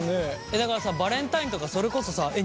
だからさバレンタインとかそれこそさえっ